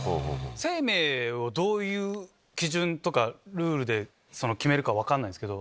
生命をどういう基準とかルールで決めるか分かんないけど。